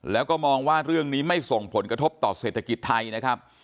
แล้วก็มองว่าเรื่องนี้ไม่ส่งผลกระทบต่อเศรษฐกิจไทยนะครับ